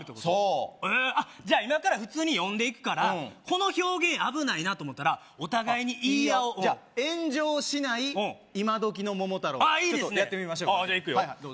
そうじゃあ今から普通に読んでいくからこの表現危ないなと思ったらお互いに言い合おうじゃあ炎上しない今どきの桃太郎ちょっとやってみましょうああじゃあいくよ